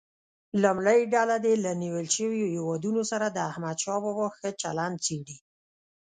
لومړۍ ډله دې له نیول شویو هیوادونو سره د احمدشاه بابا ښه چلند څېړي.